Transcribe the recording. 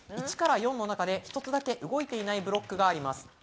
１から４の中で一つだけ動いていないブロックがあります。